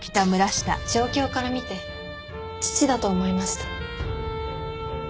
状況から見て父だと思いました。